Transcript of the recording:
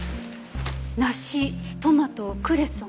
「梨トマトクレソン」？